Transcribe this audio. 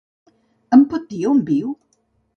Em pot dir on viu?